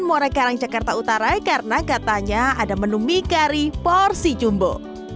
muara karang jakarta utara karena katanya ada menu mie kari porsi jumbo